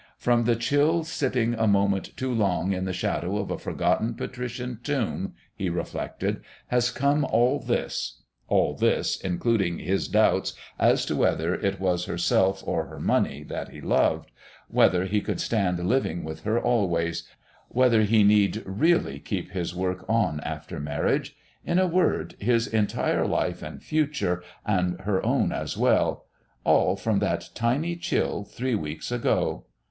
"From that chill, sitting a moment too long in the shadow of a forgotten Patrician's tomb," he reflected, "has come all this" "all this" including his doubt as to whether it was herself or her money that he loved, whether he could stand living with her always, whether he need really keep his work on after marriage, in a word, his entire life and future, and her own as well "all from that tiny chill three weeks ago!"